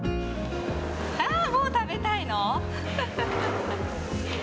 あー、もう食べたいの？